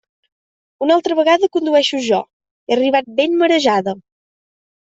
Una altra vegada condueixo jo; he arribat ben marejada.